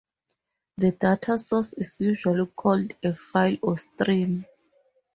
The data source is usually called a file or stream.